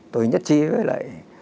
tôi nhất trí với lại